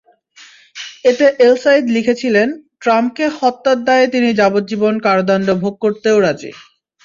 এতে এলসাইদ লিখেছিলেন, ট্রাম্পকে হত্যার দায়ে তিনি যাবজ্জীবন কারাদণ্ড ভোগ করতেও রাজি।